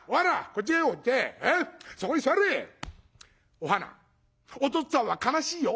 お父っつぁんは悲しいよ。